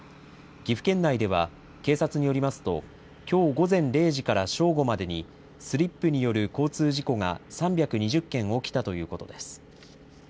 岐阜県内では警察によりますと、きょう午前０時から正午までに、スリップによる交通事故が３２０件起きたということです。